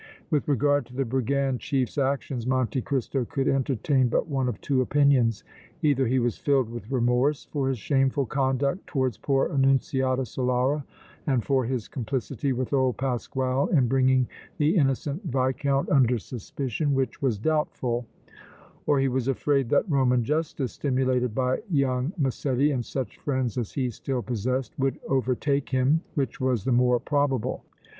With regard to the brigand chief's actions Monte Cristo could entertain but one of two opinions either he was filled with remorse for his shameful conduct towards poor Annunziata Solara and for his complicity with old Pasquale in bringing the innocent Viscount under suspicion, which was doubtful, or he was afraid that Roman justice stimulated by young Massetti and such friends as he still possessed would overtake him, which was the more probable.